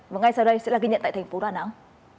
và ngay sau đây sẽ là ghi nhận tại thành phố đà nẵng